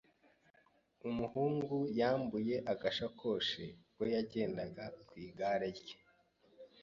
Umuhungu yambuye agasakoshi ubwo yagendaga ku igare rye.